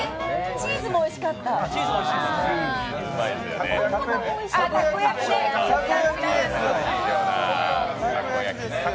チーズもおいしかった。